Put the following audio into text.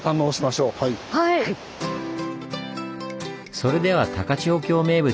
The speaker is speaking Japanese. それでは高千穂峡名物手こぎ